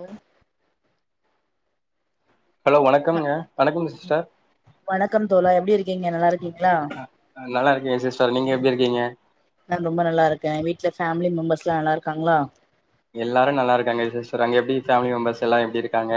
ஆ hello வணக்கம்ங்க வணக்கம் sister நீங்க நல்லா இருக்கீங்களா க்கேன் சிஸ்டர் நீங்க எப்படி இருக்கீங்க நா ரொம்ப நல்லா இருக்கேன் வீட்டுல ஃபேமிலி மெம்பர்ஸ் எல்லா நல்லா இருக்காங்களா எல்லாரு நல்லா இருக்காங்க சிஸ்டர் அங்க எப்படி ஃபேமிலி மெம்பர்ஸ் எல்லா எப்படி இருக்காங்க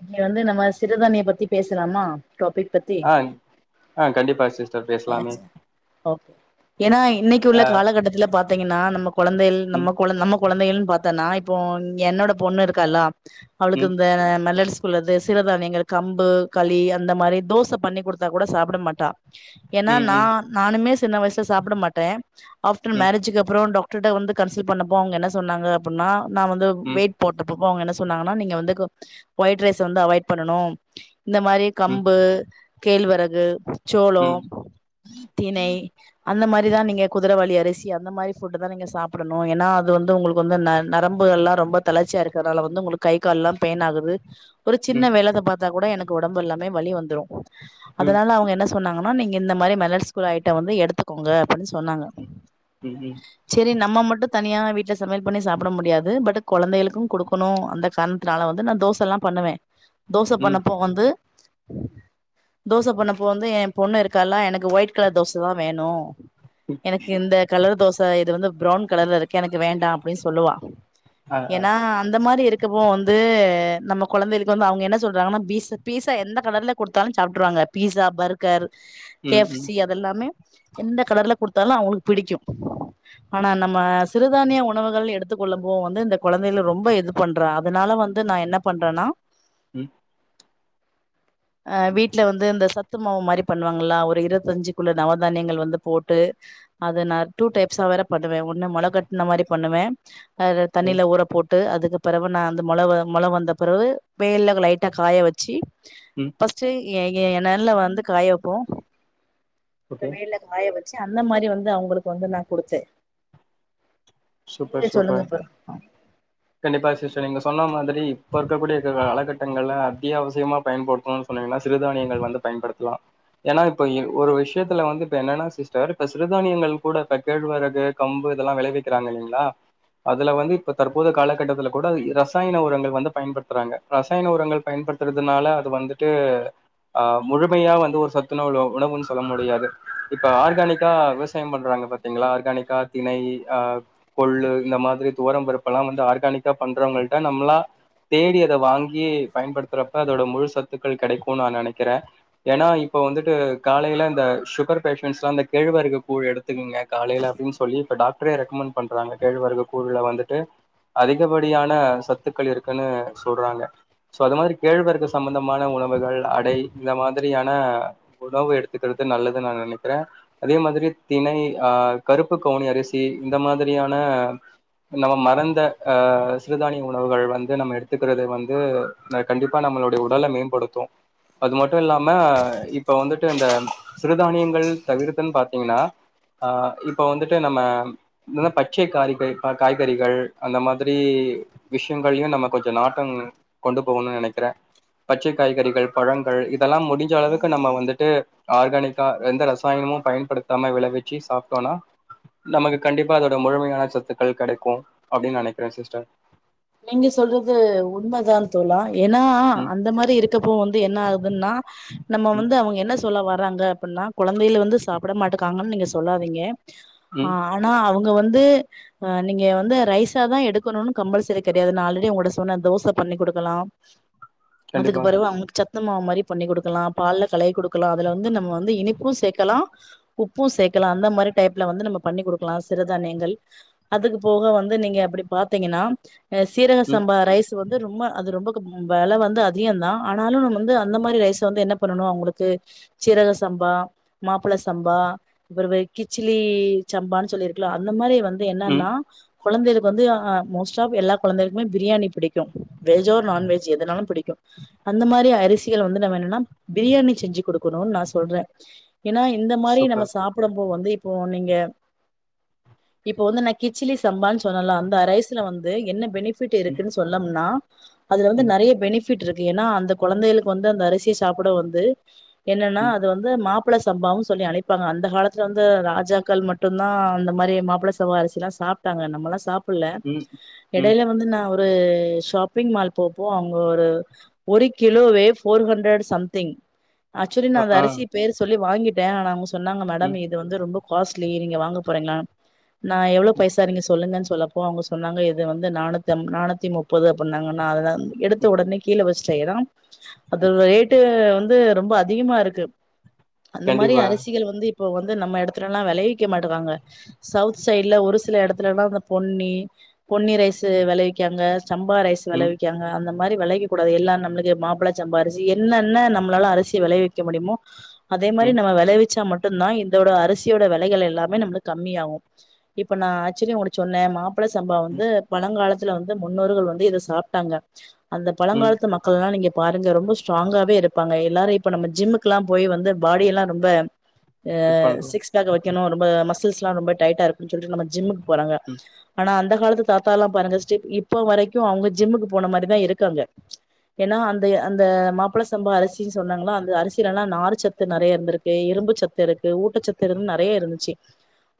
இன்னைக்கு வந்து நம்ம சிறுதானிய பத்தி பேசலாமா டாபிக் பத்தி ஆ ஆ கண்டிப்பா சிஸ்டர் பேசலாமே ஆசே ஓகே ஏன்னா இன்னைக்கு உள்ள ஆ காலகட்டத்துல பாத்தீங்கன்னா நம்ம குழந்தைகள் நம்ம ம் குழ நம்ம குழந்தைகள் பாத்தோனா இப்போ என்னோட பொண்ணு இருக்கால அவளுக்கு ம் அந்த மெலடிஸ்குளது சிறுதானியங்கள் கம்பு களி அந்த மாதிரி தோச பண்ணி குடுத்தா கூட சாப்பிட மாட்டா ஏன்னா ம் ம் நான் நானுமே சின்ன வயசுல சாப்பிட மாட்டேன் ஆஃப்டர் ம் மேரேஜுக்கு அப்புறம் டாக் டர்ட்ட வந்து கன்சல்ட் பண்ணப்போ அவுங்க என்ன சொன்னாங்க அப்டின்னா நான் வந்து ம் வெயிட் போட்டு போ ங்க என்ன சொன்னாங்கன்னா நீங்க வந்து ஒயிட் ரைஸ் வந்து அவாய்ட் பண்ணனு இந்த மாதிரி ம் கம்பு கேழ்வறகு சோளோ ம் தினை அந்த மாதிரிதான் நீங்கள் குதிரவாலி அரிசி அந்த மாதிரி ஃபுட்டு தான் நீங்க சாப்பிடணும் ஏன்னா அது வந்து உங்களுக்கு வந்து ந நரம்புகள்ல்லாம் ரொம்ப தளர்ச்சியா இருக்கிறதுனால வந்து உங்களுக்கு கை கால்லாம் பெயின் ஆகுது ஒரு ம் சின்ன ம் வேலத்த பார்த்தா கூட எனக் ஒடம்பு எல்லாமே வலி வந்துரும் அதனால அவங்க என்ன சொன்னாங்கன்னா நீங்க இந்த மாதிரி மெலட்ச் குல ஐட்டம் வந்து எடுத்துக்கோங்க அப்படின்னு சொன்னாங்க ம் ம் ம் சரி நம்ம மட்டு தனியான வீட்டு சமையல் பண்ணி சாப்பிட முடியாது பட் குழந்தைகளுக்கு கொடுக்கணு அந்த காரணத்தினால வந்து நா தோசல்லா பண்ணுவ தோச ம் பண்ணப்போ வந்து தோச பண்ணப்போ வந்து என் பொண்ணு இருக்கால்லா எனக்கு ஒயிட் கலர் தோச தா வேணு எனக்கு இந்த கலர் தோசை ச இது வந்து ப்ரவுன் கலர்ல இருக்கு எனக்கு வேண்டா அப்படின்னு சொல்லுவா ஆ ஆ ஏன்னா அந்த மாதிரி இருக்கப்போ வந்து நமக்கு குழந்தைகளுக்கு வந்து அவங்க என்ன சொல்றாங்கன்னா பீஸ பீஸா எந்த கலர்ல கொடுத்தாலும் சாப்பிட்டுருவாங்க பீஸா பர்கர் கே ம் எஃப் ம் சி அதெல்லாமே எந்த கலர்ல குடுத்தாலு அவங்களுக்கு பிடிக்கு ஆனா நம்ம சிறுதானிய உணவுகள்னு எடுத்துக் கொள்ளம் போ வந்து இந்த கொழந்தைல ரொம்ப இது பண்ற அதனால வந்து நா என்ன பண்றேனா உம் அ வீட்டுல வந்து இந்த சத்து மாவு மாரி பண்ணுவாங்களா ஒரு இருபத்தஞ்சு குள்ள நவதானியங்கள் வந்து போட்டு அத நா டூ டைப்ஸா வேற பண்ணுவே ஒண்ணு மொள கட்டுன மாரி பண்ணுவே அத ஓகே தண்ணியில ஊர போட்டு டு அதுக்கு பேறவு நா அந்த மொளவு மொளவு வந்த பிறவு வெயலில லைட்டா காய வச்சு ம் ஃபர்ஸ்ட்டு ஏ என் என்னல்ல வந்து காய வெப்போ ஓகே அப்பறமேல வாய வெ அந்த மாதிரி வந்து அவங்களுக்கு வந்து நா கொடுத்தேன் சூப்பர் சூப்பர் கண்டிப்பா சிஸ்டர் நீங்க சொன்ன மாதிரி இப்ப இருக்கக்கூடிய காலகட்டங்கள அத்தியாவசியமா பயன்படுத்தணும்னு சொன்னீங்கன்னா சிறுதானியங்கள் வந்து பயன்படுத்தலா ஏன்னா இப்ப ஒரு விஷயத்துல வந்து இப்ப என்னன்னா சிஸ்டர் இப்ப சிறுதானியங்கள் கூட இப்ப கேழ்வரகு கம்பு இதெல்லா விளைவிக் கிறாங்க இல்லைங்களா அதுல வந்து இப்ப தற்போது காலகட்டத்துல கூட ரசாயன உரங்கள் வந்து பயன்படுத்துறாங்க ரசாயன உரங்கள் பயன்படுத்துறதுனால அது வந்துட்டு அஹ் முழுமையா வந்து ஒரு சத்துணவுல உணவுன்னு சொல்ல முடியாது இப்ப ஆர்கானிக்கா விவசாயம் பண்றாங்க பாத்தீங்களா ஆர்கானிக்கா திணை ஆஹ் கொள்ளு இந்த மாதிரி துவரம் பருப்புலாம் வந்து ஆர்கானிக்கா பண்றவங்கள்ட்ட நம்மளா தேடி அத வாங்கி பயன்படுத்துறப்ப அதோட முழு சத்துக்கள் கிடைக்கும் நா நினைக்கிறேன் ஏன்னா இப்ப வந்துட்டு காலையில இந்த ஷுகர் பேஷன்ட்ஸ்லாம் இந்த கேழ்வரகு கூழ் எடுத்துக்ங்க காலையில அப்படின்னு சொல்லி இப்ப டாக்ட்ரே ரெக்கமெண்ட் பண்றாங்க கேழ்வரகு கூழ்ல வந்துட்டு அதிகபடியான சத்துக்கள் இருக்குன்னு சொல்றாங்க சோ அதுமாதிரி கேழ்வரகு சம்பந்தமான உணவுகள் அடை இந்த மாதிரியான உணவு எடுத்துக்கிறது நல்லது நா நினைக்கிறே அதே மாதிரி திணை அ கருப்பு கவுனி அரிசி இந்த மாதிரியான நம்ம மறந்த அஹ் சிறுதானிய உணவுகள் வந்து நம்ம எடுத்துக்குறத வந்து கண்டிப்பா நம்மளுடைய உடல மேம்படுத்தும் அது மட்டும் இல்லாம இப்ப வந்துட்டு இந்த சிறுதானியங்கள் தவிர் துன்னு பாத்தீங்கன்னா அஹ் இப்ப வந்துட்டு நம்ம பச்சை காறிகை காய்கறிகள் அந்த மாதிரி விஷயங்கள்யும் நம்ம கொஞ்சம் நாட்டம் கொண்டு போகணும்னு நினைக்கிறே பச்சை காய்கறிகள் பழங்கள் இதெல்லா முடிஞ்ச அளவுக்கு நம்ம வந்துட்டு ஆர்கானிக்கா எந்த ரசாயனமும் பயன்படுத்தாம விளைவிச்சு சாப்பட்டோனா நமக்கு கண்டிப்பா அதோட முழுமையான சத்துக்கள் கெடைக்கும் அப்படின்னு நெனைக்கிறே சிஸ்டர் நீங்க சொல்றது உண்மதா தோலா ஏன்னா ம் அந்த மாதிரி இருக்கப்போ வந் து என்ன ஆகுதுன்னா நம்ம ம் வந்து அவங்க என்ன சொல்ல வர்றாங்க அப்புட்ன்னா குழந்தையில வந்து சாப்பிட மாட்டுக்காங்கன்னு நீங்க சொல்லாதீங்க ம் ஆஹ் ஆனா அவுங் வுங்க வந்து நீங்க வந்து ரைசா தா எடுக்கணும் கம்பல்சரி கிடையாதுண்ணா ஆல்ரெடி உங்கட்டா சொன்னே தோச பண்ணி குடுக்கலாம் அதுக்கு கண்டிப்பா பெறவு அவனுக்கு சத் சத்துமாவு மாரி பண்ணி குடுக்கலா பால்ல களய கொடு க்கலாம் அதுல வந்து நம்ம வந்து இனிப்பும் சேக்கலாம் உப்பும் சேர்க்கலா அந்த மாதிரி டைப்ல வந்து நம்ம பண்ணி குடுக்கலா சிறுதானியங்கள் அதுக்கு போக வந்து நீங்க அப்படி பாத்தீங்கன்னா சீரக ம் சம்பா ரைஸ் வந்து ரொம்ப அது ரொம்ப இப்ப வெல வந்து அதிகந்தா ஆனாலு நம்ம வந்து அந்த மாரி ரைசை வந்து என்ன பண்ணனு அவங்களுக்கு சீரக சம்பா, மாப்பிள சம்பா, பிறவு கிச்சிலி சம்பான்னு சொல்லிருக்குல்ல அந்த மாரி வந் து ம் என்னன்னா கொழந்தைகளுக்கு வந்து அ மோஸ்ட் ஆஃப் எல்லா கொழந்தைகளுக்குமே பிரியாணி பிடிக்கு வெஜ் ஆர் நான்வெஜ் எதுனாலு பிடிக்கு அந்த மாரி அரிசிகள் வந்து நம்ம என்னன்னா பிரியாணி செஞ்சு குடு க்குணுனு நா சொல்றே ஏன்னா இந்த மாரி நம்ம சூப்பர் சாப்புடும்போ வந்து இப்போ நீங்க இப்போ வந்து நா கிச்சிலி சம்பான்னு சொன்னல்ல அந்த ரைஸ்ல வந்து என்ன ஃபிட் ம் இருக்குன்னு சொன்னோம்னா அதுல வந்து ம் நெறைய பெனி ஃபிட் இருக்கு ஏன்னா அந்த கொழந்தைகளுக்கு வந்து அந்த அரிசி சாப்புட வந்து என்னன்னா ம் அது வந்து மா மாப்பிள சம்பாவு சொல்லி அழைப்பாங்க அந்த காலத்துல வந்து ராஜாக்கள் மட்டும்தா அந்த மாரி மாப்பிள சம்பா அரிசில்லா சாப்ட்டாங்க நம்மல்லா சாப் புட்ல ம் ம் எடையில வந்து நா ஒரு ஷாப்பிங் மால் போப்போ அங்க ஒரு ஒரு கிலோவே ஃபோர் ஹண்ட்ரட் சம்திங் ஆக்சுவலி நா ஆ அந்த ஆ, அரிசி பேர் சொல்லி வாங்கிட் ட ஆனா அவங்க சொன்னாங்க மேடம் ம் இது வந்து ரொம்ப காஸ்ட்லி நீங்க வாங்க போறெங்ளா நான் எவ்ளோ பைசா நீங்க சொல்லுங்கன் சொல்லப்போ அவுங்க சொன்னாங்க வந்து நானூத்தி அம் நானூத்தி முப்பது அப்டினாங்க நா அத எடுத்த ஒடனே கீழ வச்சிட் செய்யறாம் அது ரேட்டு வந்து ரொம்ப அதிகமாருக்கு அந்த மாரி கண்டிப்பா அரசிகள் வந்து இ இப்போ வந்து நம்ம எடத்துலல்லா வெளைவி க்க மாட்டேங்காங்க சவுத் சைடுல ஒரு சில எடத்துலெலா அந்த பொன்னி பொன்னி ரைஸு வெளைவிக்காங்க சம்பா ரைஸ் ம் வெளவிக்காங்க அந்த மாரி வெள கூடாது எல்லா நம்மளுக்கு மாப்ள சம்பா அரிசி என்னென்ன நம்மளால அரிசிய வெளைவிக்க முடிமோ அதே மாரி ம் நம்ம வெளவிச்சா மட் டுந்தா இந்தோட அரிசியோட வெலைகள் எல்லாமே நம்ளுக்கு கம்மியாவு இப்ப நா ஆக்சுவ்லி உங்கிட்ட சொன்னே மாப்ள சம்பா வந் து ம் பலங்காலத் துல வந்து முன்னோர்கள் வந்து இத சாப்ட்டாங்க அந்த ம் பலங்காலத்து மக்கள்லா நீங்க பாருங்க ரொம்ப ஸ்ட்ராங்காவே இருப்பாங்க எல்லாரையு‌ இப்ப நம்ம ஜிம்முக்குலா போய் வந்து பாடியலா ரொம்ப ஃபிட் அஹ் பண்றோ சிக்ஸ் பேக்க வைக்கணு ரொம்ப மஸ் துஸ்லா ரொம்ப டைட்டாருக் சொல்ட்டு நம்ம ஜிம்முக்கு போறாங்க ம் ஆனா அந்த [unintelligible] தாத்தாலா பாருங்க ஸ்டா இப்ப வரைக்கு அவங்க ஜிம்முக்கு போன மாரிதா இருக்காங்க ஏன்னா அந்த அந்த மாப்புள சம்பா அரிசின்னு சொன்னாங்களா அந்த அரிசியிலலா நாரு சத்து நெறைய இருந்துருக்கு இரும்பு சத்து இருக்கு ஊட்டச்சத்து இருந் நெறைய இருந்துச்சி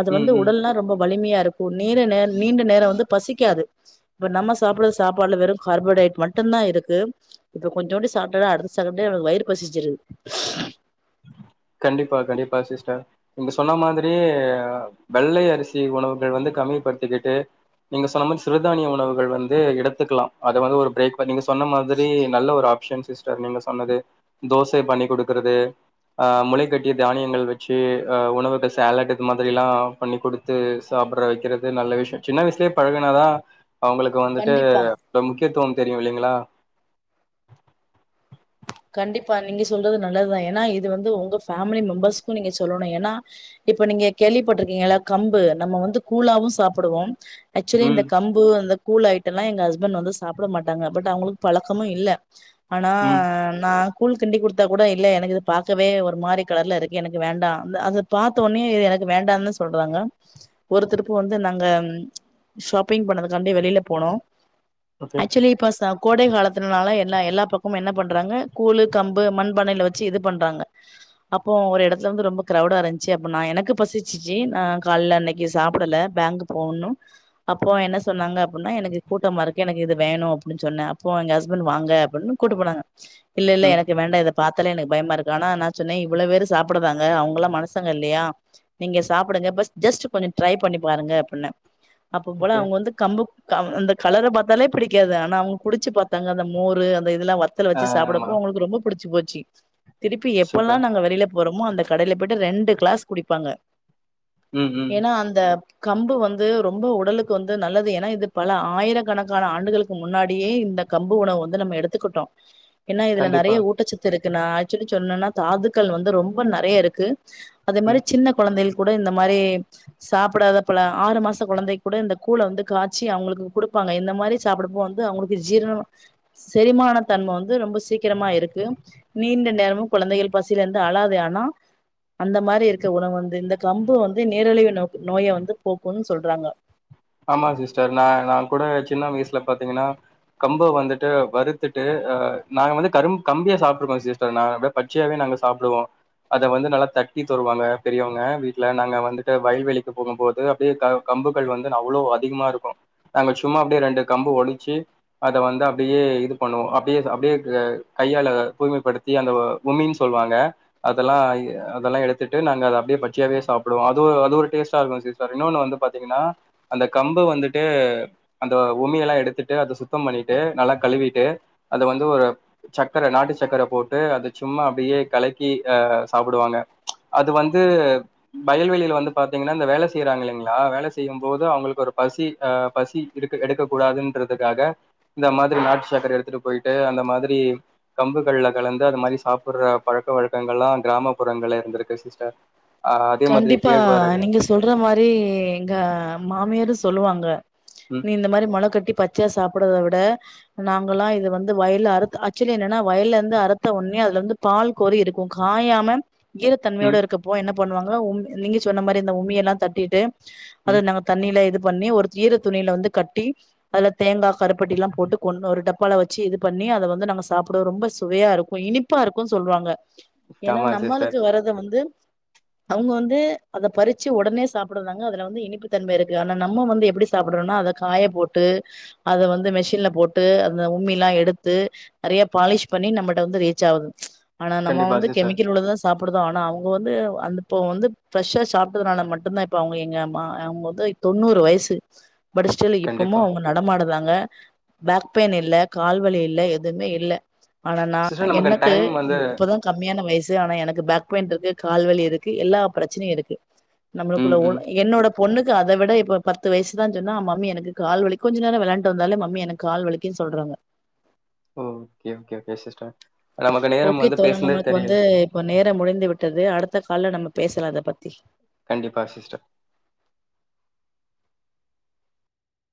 அது ம் வந்து ம் உடல்னா ரொம்ப வலிமையாருக்கு நீர நே நீண்ட நேரோ வந்து காது இப்ப நம்ம சாப்புற சாப்பாடுல வெறு கார்போடைட் மட்டுந்தா இருக்கு இப்ப கொஞ்சோன்டு சாப்டாதா அடுத்த செகன்டே வயிறு பசிச்சிரு கண்டிப்பா கண்டிப்பா சிஸ்டர் நீங்க சொன்ன மாதிரியே வெள்ளை அரிசி உணவுகள் வந்து கம்மிப்படுத்திக்கிட்டு நீங்க சொன்ன மாரி சிறுதானிய உணவுகள் வந்து எடுத்துக்கலா அது வந்து ஒரு பிரேக் நீங்க சொன்ன மாதிரி நல்ல ஒரு ஆப்ஷன்ஸ் சிஸ்டர் நீங்க சொன்னது தோசை பண்ணி குடுக்குறது அஹ் முளை கட்டிய தானியங்கள் வச்சி அஹ் உணவுகள் சேலட் இது மாதிரி எல்லா பண்ணி கொடுத்து சாப்புட்ற வைக்கிறது நல்ல விஷயோ சின்ன வயசுலயே பழகுனாதா அவங்களுக்கு வந்துட்டு கண்டிப்பா அஹ் முக்கியத்துவம் தெரியு இல்லைங்களா கண்டிப்பா நீங்க சொல்றது நல்லதுதா ஏன்னா இது வந்து உங்க ஃபேமிலி மெம்பர்ஸ்கு நீங்க சொல்லணு ஏன்னா இப்ப நீங்க கேள்விப்பட்டிருக்கீங்கல கம்பு நம்ம வந்து கூலாவு சாப்புடுவோம் ஹக்சுவலி இந்த ம் கம்பு அந்த கூல் ஐட்டோல்ல எங்க ஹஸ்பண்ட் வந்து சாப்புட மாட்டங்க பட் அவங்களுக்கு பலக்கமு இல்ல ஆனா ம் அஹ் கூல் கிண்டி கொடுத்தா கூட இல்ல எனக்கு இது பாக்கவே ஒரு மாரி கலர்ல இருக்கு எனக்கு வேண்டா அந்த அத பாத்த ஒன்னயே இது எனக்கு வேண்டான்னு சொல்றாங்க ஒரு திருப்பு வந்து நாங்க ஷாப்பிங் பண்ணதுக்காண்டி வெளியில போனோ ஓகே ஹக்சுவலி இப்போ சம் கோடை காலத்தின்னால எல்லா எல்லா பக்கமு என்ன பண் றாங்க கூலு கம்பு மண்பானைல வச்சு இது பண்றாங்க அப்போ ஒரு எடத்துல வந்து ரொம்ப க்ரவுடாரின்ச்சி அப்ப நா எனக்கு பசிச்சிச்சி நா கால்ல அன்னைக்கு சாப்புடல பேங்கு போனு அப்போ என்ன சொன்னாங்க அப்புன்னா எனக்கு கூட்டமாருக்கு எனக்கு இது வேணு‌ அப்டீன்னு சொன்ன அப்போ எங்க ஹஸ்பண்ட் வாங்க அப்புட்னு‌ கூட்டு போனாங்க இல்ல இல்ல ம் எனக்கு வேண்டா இத பாத் த்துல எனக்கு பயமாருக்கு ஆனா சொன்னே இவ்வளவு பேரு சாப்புடுறாங்க அவங்களா மனசங்க இல்லையா நீங்க சாப்புடுங்க பஸ்ட் ஜஸ்ட் கொஞ்சோ ட்ரை பண்ணி பாருங்க அப்பிட்ன அப்பம்போல ஓகே அவுங்க வந்து கம்பு அஹ் அந்த கலர பாத்தாலே பிடிக்காது ஆனா அவங்க குடிச்சு பாத்தாங்க அந்த மோரு அந்த இதுல்லா வா துல வச்சு ஆமா சாப்புடப்போ அவங்களுக்கு ரொம்ப புடிச்சு போச்சி திருப்பி எப்பல்லா சூப்பர் நாங்க வெளில போறோமோ அந்த கடையில போயிட்டு ரெண்டு கிளாஸ் குடிப்பாங்க ம் ம் ஏன்னா அந்த கம்பு வந்து ரொம்ப உடலுக்கு வந்து நல்லது ஏன்னா இது பல ஆயிரக்கணக்கான ஆண்டுகளுக்கு முன்னாடியே இந்த கம்பு உணவு வந்து நம்ம எடுத்துக்கிட்டோ ஏன்ன இதுல நிறைய கண்டிப்பா ஊட்டச்சத்து இருக் து நா ஆக்சுலி சொல்னுனா தாதுக்கள் வந்து ரொம்ப நறையாருக்கு அது ம் மாரி சின்ன கொழந்தைகள் கூட இந்த மாரி சாப்பிடாதப்பலா ஆறு மாச கொழந்தைக்கு கூட இந்த கூழ வந்து காச்சி அவுங்களுக்கு குடுப்பாங்க இந்த மாரி சாப்புடப்போ வந்து அவங்களுக்கு ஜீரண செரிமானத் தன்ம வந்து ரொம்ப சீக்கிரமா இருக்கு நீண்ட நேரமு குழந்தைகள் பசியில இருந்து அழாது ஆனா அந்த மாரி இருக்க உணவு வந்து இந்த கம்பு வந்து நீரிழிவு நோ நோய வந்து போக்குன் சொல்றாங்க ஆமாங் சிஸ்டர் நா நா கூட சின்ன வயசுல பாத்திங்கனா கம்ப வந்துட்டு வறுத்துட்டு அ நாங்க வந்து கரும் கம்பயே சாப்ட்ருக்கோ சிஸ்டர் நா அத பச்சையாவே நாங்க சாப்டுவோ அத வந்து நல்லா தட்டி தருவாங்க பெரியவங்க வீட்ல நாங்க வந்துட்டு வயல்வெளிக்கு போகும் போது அப்டியே க கம்புகள் வந் து அவ்ளோ அதிகமா இருக்கு நாங்க சும்மா அப்டியே ரெண்டு கம்பு ஒடிச்சு அத வந்து அப்டியே இது பண்ணுவோ அப்டியே அப்டியே க கையால தூய்மைப்படுத்தி அந்த உமின் சொல்லுவாங்க அதெல்லா அதெல்லா எடுத்துட்டு நாங்க அத அப்டியே பச்சையாவே சாப்டுவோ அது அது ஒரு டேஸ்டா இருக்கு சிஸ்டர் இன்னொனு வந்து பாத்திங்கனா அந்த கம்பு வந்துட்டு அந்த உமியெலா எடுத்துட்டு அத சுத்தம் பண்ணிட்டு நல்லா கழுவிட்டு அத வந்து ஒரு சக்கர நாட்டு சக்கர போட்டு அத சும்மா அப்டியே கலக்கி அ சாப்புடுவாங்க அது வந்து வயல்வெளில வந்து பாத்திங்கனா இந்த வேல செய்றாங்க இல்லைங்ளா வேல செய்யும் போது அவுங்களுக்கு ஒரு பசி அ பசி எடுக் எடுக்க கூடாதுன்றதுக்காக இந்த மாதிரி நாட்டு சக்கரை எடுத்துட்டு போயிட்டு அந்த மாதிரி கம்புகள்ல கலந்து அந்த மாரி சாப்படுற பழக்க வழக்கங்கள்லா கிராமப்புறங்கள்ல இருந்திருக்கு சிஸ்டர் ஆ அதே மாதிரி கண்டிப்பா கேழ்வரகு நீங்க சொல்ற மாரி எங்க மாமியாரு சொல்லுவாங்க ம் நீ இந்த மாரி மொள கட்டி பச் சையா சாப்படறத விட நாங்கல்லா இது வந்து வயல்ல அறுத் ஆக்சுவ்லி என்னனா வயல்ல இருந்து அறுத்த உடனியே அது ல வந்து பால் கோரி இருக்கு காயாம ஈரத்தன்மையோட ம் இருக்கப்போ என்ன பண்ணுவாங்கலா உ நீங்க சொன்ன மாரி அந்த உமியெல்லா தட்டிட்டு அது ம் நம்ம தண்ணியில இது பண்ணி ஒரு ஈரத்துணில வந்து கட்டி அதுல தேங்கா கருப்பட்டில்லா போட்டு கொண் ஒரு டப் ஒல வச்சு இது பண்ணி அத வந்து நாங்க சாப்புடுவோ ரொம்ப சுவையா இருக்கு இனிப்பா இருக்குனு சொல்லுவாங்க ஏன்னா ஆமா சிஸ்டர் நம்மளுக்கு வறது வந்து அவங்க வந்து அத பறிச்சு ஒடனே சாப்பிடுறாங்க அதுல வந்து இனிப்பு தன்மை இருக்கு ஆனா நம்ம வந்து எப்டி சாப்பிடுறோம்னா அத காய போட்டு அத வந்து மெஷின்ல போட்டு அந்த உம்மி எல்லா எடுத்து நறைய பாலிஷ் பண்ணி நம்மள்ட்ட வந்து ரீச் ஆவுது ஆனா நம்ம கண்டிப்பா வந்து சிஸ்டர் கெமிக்கல் உள்ளததா சா சாப்பிடுதோ ஆனா அவங்க வந்து அந்த இப்போ வந்து ஃப்ரெஷ்ஷா சாப்பிட்டதுனால மட்டுந்தா இப்ப அவங்க எங்க மா அவங்க வந்து தொண்ணூறு வயசு பட் ஸ்டில் இப்பமு கண்டிப்பா அவங்க நடமாடுதாங் க பேக் பெயின் இல்ல, கால்வலி இல்ல எதுமே இல்ல ஆனா நா சிஸ்டர் நமக்கு எனக்கு டைம் வந்து இப்பதா கம்மியான வயசு து ஆனா எனக்கு பேக் பெயின் இருக்கு கால்வலி இருக் கு எல்லா பிரச்சனையு இருக்கு நம்மளுக்குள்ள ம் ஒட ம் என்னோட பொண்ணுக்கு அத விட இப்ப பத்து வயசுதா சொன்னா மம்மி எனக்கு கால் வலி கொஞ்ச நேரம் விளயாண்டு வந்தாலே மம்மி எனக்கு கால் வலிக்கினு சொல்றாங்க ஓகே ஓகே ஓகே சிஸ்டர் நமக்கு நேரம் ஓகே வந்து தோழா பேசுனதே நம்மளுக்கு வந்து தெரியல இப்ப நேரம் முடிந்து விட்டது அடுத்த கால்ல நம்ம பேசலா இத பத்தி கண்டிப்பா சிஸ்டர்